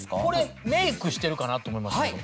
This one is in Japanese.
これメイクしてるかなと思います。